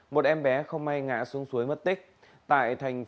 một em bé không may ngã xuống suối mất tích